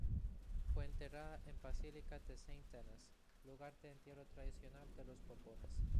Fue enterrada en Basílica de Saint-Denis, lugar de entierro tradicional de los borbones.